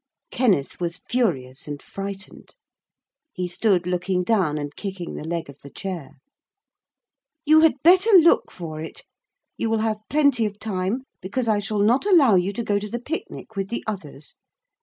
Kenneth was furious and frightened. He stood looking down and kicking the leg of the chair. 'You had better look for it. You will have plenty of time, because I shall not allow you to go to the picnic with the others.